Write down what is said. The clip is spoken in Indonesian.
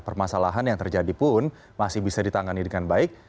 permasalahan yang terjadi pun masih bisa ditangani dengan baik